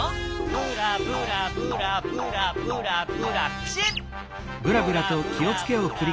ブラブラブラブラブラブラピシッ！